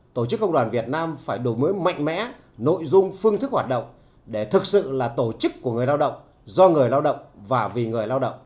tổ chức công đoàn việt nam phải đổi mới mạnh mẽ nội dung phương thức hoạt động để thực sự là tổ chức của người lao động do người lao động và vì người lao động